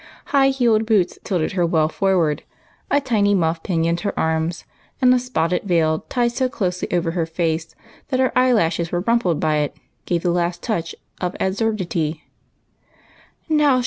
High heeled boots tilted her well forward, a tiny muff pinioned her arms, and a spotted veil tied so closely over her face that her eyelashes were rumpled by it, gave the last touch of absurdity to her appear ance.